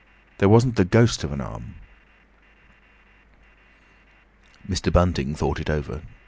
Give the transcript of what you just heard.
There wasn't the ghost of an arm!" Mr. Bunting thought it over.